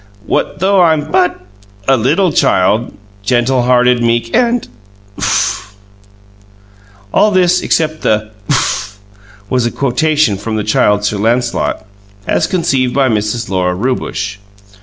What though I'm BUT a littul child, Gentul hearted, meek, and ' OOF!" All of this except "oof" was a quotation from the Child Sir Lancelot, as conceived by Mrs. Lora Rewbush.